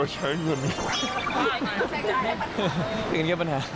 ใช้เงินแค่ปัญหา